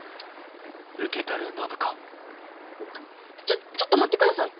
ちょっちょっと待ってください！